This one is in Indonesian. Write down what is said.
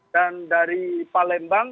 dan dari palembang